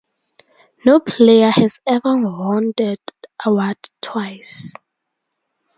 No player has ever won the award twice.